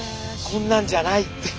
こんなんじゃないって。